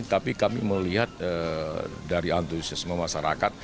tapi kami melihat dari antusiasme masyarakat